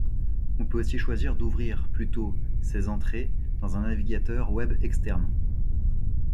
On peut aussi choisir d'ouvrir plutôt ces entrées dans un navigateur web externe.